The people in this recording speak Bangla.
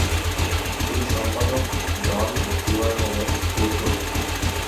তিনি সম্পাদক ডন জিমারম্যানের পুত্র।